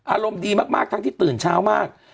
อารมณ์ดีมากทั้งที่ตื่นเช้ามาก